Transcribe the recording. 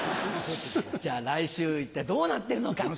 じゃあ来週一体どうなってるのか。